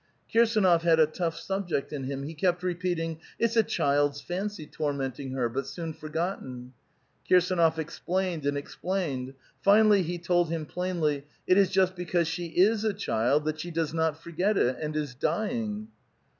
Kirsdnof had a tough subject in him; he kept repeating, '^It's a child's fancy tormenting her, but soon forgotten." Kirsdnof ex plained and explained; finally he told him plainly, ''It is just because she is a child that she does not forget it, and is dying."